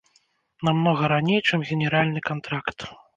Намнога раней, чым генеральны кантракт.